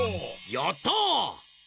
やった！